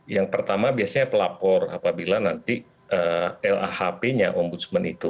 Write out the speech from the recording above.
yang pertama biasanya pelapor apabila nanti lahp nya ombudsman itu